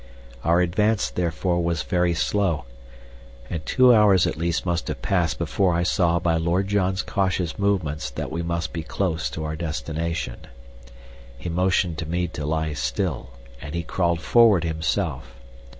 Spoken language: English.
Our advance, therefore, was very slow, and two hours at least must have passed before I saw by Lord John's cautious movements that we must be close to our destination. He motioned to me to lie still, and he crawled forward himself.